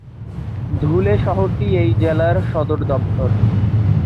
ধুলে শহরটি এই জেলার সদর দপ্তর।